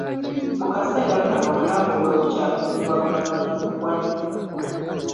Mu kaseera kano, omulambo gwe gukyakuumibwa mu ggwanika.